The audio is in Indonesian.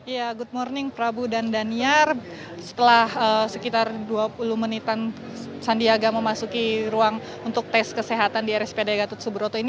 ya good morning prabu dan daniar setelah sekitar dua puluh menitan sandiaga memasuki ruang untuk tes kesehatan di rspd gatot subroto ini